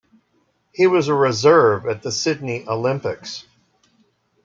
He was a reserve at the Sydney Olympics.